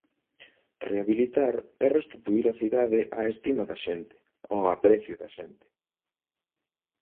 Rehabilitar é restituír a cidade á estima da xente, ao aprecio da xente.